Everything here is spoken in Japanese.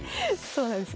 そうなんです。